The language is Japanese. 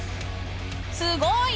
すごい！